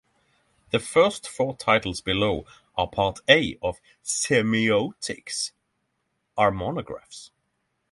The first four titles below and Part A of "Semiotics" are monographs.